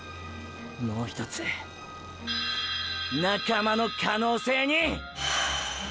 もうひとつ仲間の可能性に！！